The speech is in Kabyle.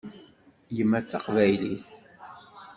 Yemma d taqbaylit.